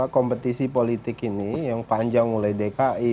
kompetisi politik ini yang panjang mulai dki